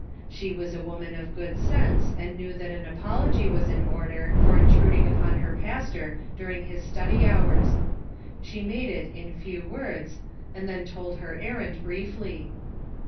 She was a woman of good sense, and knew that an apology was in order for intruding upon her pastor during his study hours ; she made it in few words, and then told her errand briefly.